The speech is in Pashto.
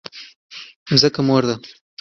ځمکه مور ده؟